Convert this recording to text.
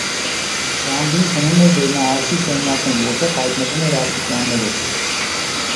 Գանդին քնում էր վերնահարկի սենյակում, որտեղ հայտնվում էր աստիճաններով։